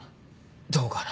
どうかな？